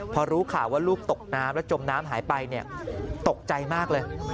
พอรู้ข่าวว่าลูกตกน้ำแล้วจมน้ำหายไปตกใจมากเลย